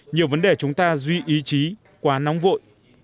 nhiều vấn đề chúng ta duy ý chí quá nóng vội